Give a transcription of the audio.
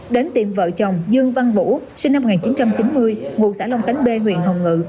đến tiệm vợ chồng dương văn vũ sinh năm một nghìn chín trăm chín mươi ngụ xã long khánh b huyện hồng ngự